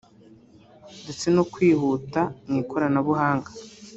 ndetse no kwihuta mu ikornabuhanga